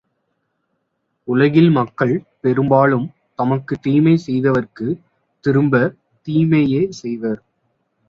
உலகில் மக்கள், பெரும்பாலும் தமக்குத் தீமை செய்தவர்க்குத் திரும்பத் தீமையே செய்வர்.